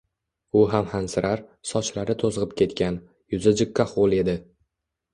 U hamon hansirar, sochlari to‘zg‘ib ketgan, yuzi jiqqa ho‘l edi.